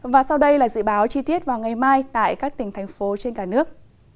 và sau đây là dự báo chi tiết vào ngày mai tại các tỉnh thành phố trên cả nước